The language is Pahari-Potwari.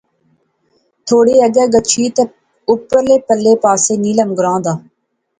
تھوڑا اگے گچھی تہ اپرلے پاسے نیلم گراں دا